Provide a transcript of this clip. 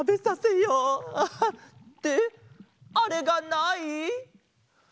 ってあれがない？